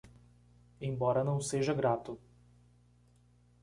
Embora não seja grato